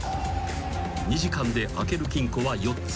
［２時間で開ける金庫は４つ］